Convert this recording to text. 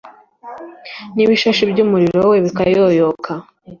n'ibishashi by'umuriro we bikayoyoka